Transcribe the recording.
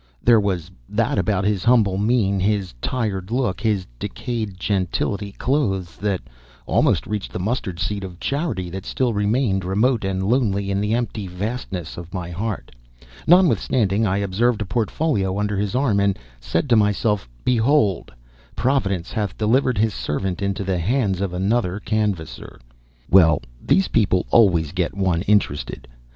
There was that about his humble mien, his tired look, his decayed gentility clothes, that almost reached the mustard seed of charity that still remained, remote and lonely, in the empty vastness of my heart, notwithstanding I observed a portfolio under his arm, and said to myself, Behold, Providence hath delivered his servant into the hands of another canvasser. Well, these people always get one interested.